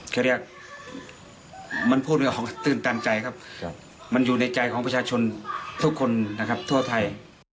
เขาเรียกมันพูดตื่นตามใจครับมันอยู่ในใจของประชาชนทุกคนนะครับทั่วไทย